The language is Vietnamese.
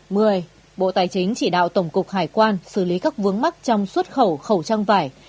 mười bộ tài chính chỉ đạo tổng cục hải quan xử lý các vướng mắt trong xuất khẩu khẩu trang vải